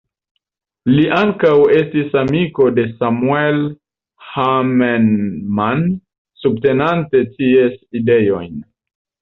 Li ankaŭ estis amiko de Samuel Hahnemann subtenante ties ideojn.